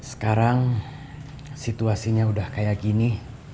sekarang situasinya udah kayak gini